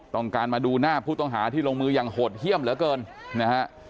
ต้องการมาดูหน้าผู้ต้องหาที่ลงมือยังหดเหี้ยมเหลือเกิน